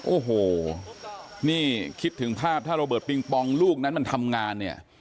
โอ้โหนี่คิดถึงภาพถ้าระเบิดปิงปองลูกนั้นมันทำงานเนี่ย